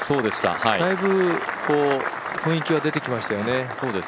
だいぶ雰囲気は出てきましたよね。